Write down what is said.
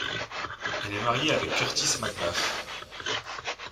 Elle est mariée avec Curtis McBath.